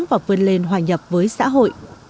và vươn lên hòa nhập với xã hội